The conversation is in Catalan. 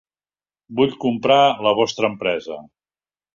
Vull comprar la vostra empresa.